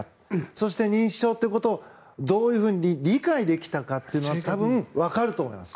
そして、認知症ということをどういうふうに理解できたかってのは多分わかると思います。